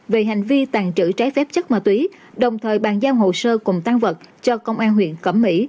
về hành vi tàn trữ trái phép chất ma túy đồng thời bàn giao hồ sơ cùng tăng vật cho công an huyện cẩm mỹ